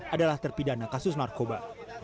adalah terpidana kasus narkoba